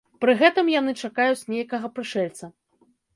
Пры гэтым яны чакаюць нейкага прышэльца.